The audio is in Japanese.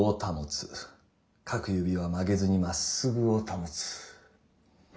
各指は曲げずに真っ直ぐを保つ。